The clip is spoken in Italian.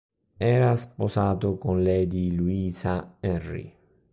Era sposato con Lady Louisa Henry.